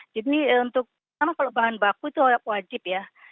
jadi untuk bahan baku itu wajib ya